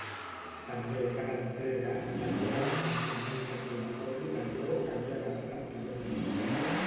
També cada entrega l'havia de començar amb un recordatori d'allò que havia passat anteriorment.